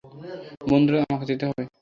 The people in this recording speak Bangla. বন্ধুরা, আমাকে যেতে হবে।